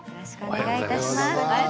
よろしくお願いします。